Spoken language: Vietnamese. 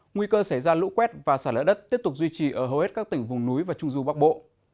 nguy cơ xảy ra lũ quét và xả lỡ đất tiếp tục duy trì ở hầu hết các tỉnh vùng núi và trung du bắc bộ